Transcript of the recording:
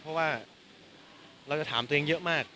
เพราะว่าเราจะถามตัวเองเยอะมาก